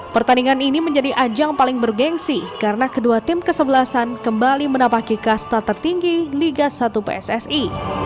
pertandingan ini menjadi ajang paling bergensi karena kedua tim kesebelasan kembali menapaki kasta tertinggi liga satu pssi